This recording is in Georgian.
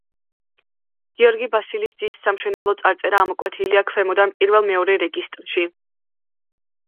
გიორგი ბასილის ძის სამშენებლო წარწერა ამოკვეთილია ქვემოდან პირველ მეორე რეგისტრში.